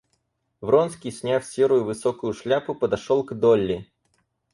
Вронский, сняв серую высокую шляпу, подошел к Долли.